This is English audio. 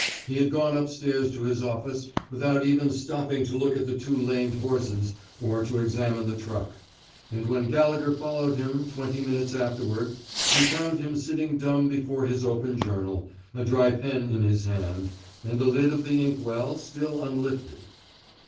He had gone up stairs to his oflSice without even stopping to look at the two lamed horses or to examine the truck; and when Gallegher followed him, twenty minutes afterward, he found him sitting dumb before his open journal, a dry pen in his hand, and the lid of the ink well still unlif ted.